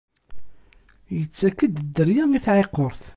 Ittak-d dderya i tɛiqert.